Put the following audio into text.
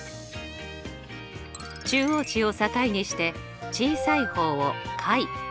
中央値を境にして小さい方を下位。